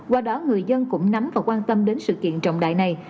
qua đó người dân cũng nắm và quan tâm đến sự kiện trọng đại này